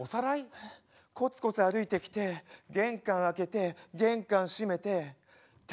コツコツ歩いてきて玄関開けて玄関閉めてただいま。